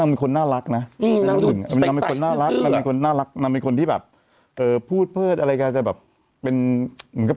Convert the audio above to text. ไม่ไปหรอกค่ะวงการนี้หนูไม่ไปหนูอยู่วงการนี้หนูก็มีความสุข